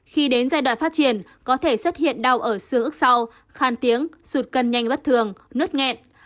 khi đến giai đoạn phát triển có thể xuất hiện đau ở xương ức sau khan tiếng sụt cân nhanh bất thường nướt nghẹn